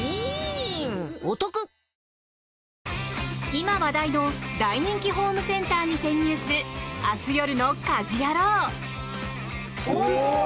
今話題の大人気ホームセンターに潜入する明日夜の「家事ヤロウ！！！」。